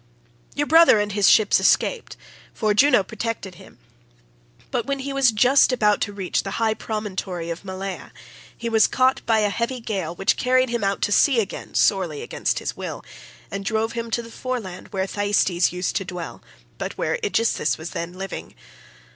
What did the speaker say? "'Your brother and his ships escaped, for Juno protected him, but when he was just about to reach the high promontory of Malea, he was caught by a heavy gale which carried him out to sea again sorely against his will, and drove him to the foreland where Thyestes used to dwell, but where Aegisthus was then living.